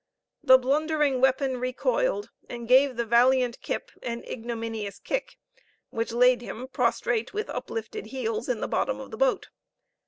The blundering weapon recoiled, and gave the valiant Kip an ignominious kick, which laid him prostrate with uplifted heels in the bottom of the boat.